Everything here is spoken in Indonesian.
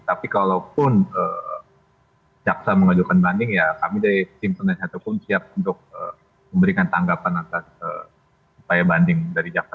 tapi kalaupun jaksa mengajukan banding ya kami dari tim penasihat hukum siap untuk memberikan tanggapan atas upaya banding dari jaksa